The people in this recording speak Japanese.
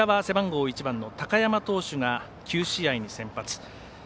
背番号１番の高山投手が９試合に先発。